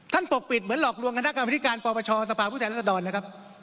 ท่านปกปิดเหมือนหลอกลวงคณะกรรมพิธีการปปชสภาพุทธรรษดรนะครับ